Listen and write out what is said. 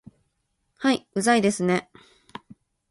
はい、うざいですね